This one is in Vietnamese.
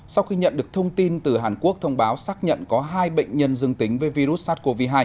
sau khi nhận được thông tin từ hàn quốc thông báo xác nhận có hai bệnh nhân dương tính với virus sars cov hai